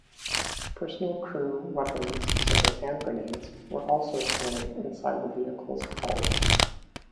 Personal crew weapons, such as hand grenades, were also stored inside the vehicle's hull.